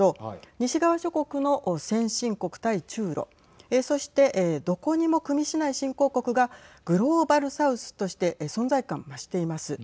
西側諸国の先進国対中ロそしてどこにもくみしない新興国がグローバル・サウスとして存在感増しています。